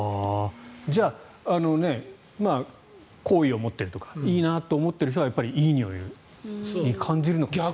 じゃあ好意を持っているとかいいなと思っている人はいいにおいに感じるんですかね。